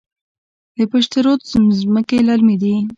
د پشت رود ځمکې للمي دي